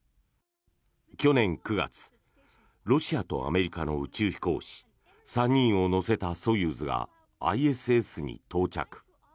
去年９月、ロシアとアメリカの宇宙飛行士３人を乗せたソユーズがＩＳＳに到着。